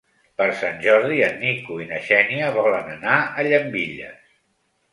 Per Sant Jordi en Nico i na Xènia volen anar a Llambilles.